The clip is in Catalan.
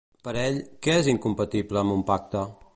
Per ell, què és incompatible amb un pacte?